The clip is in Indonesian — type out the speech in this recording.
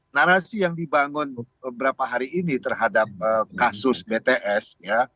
narasi yang dibangun beberapa hari ini terhadap kasus bts ya